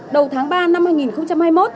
đầu tháng ba năm hai nghìn hai mươi một